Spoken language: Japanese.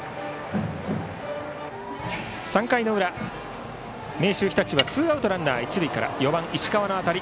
３回の裏、明秀日立はツーアウトランナー、一塁から４番、石川の当たり。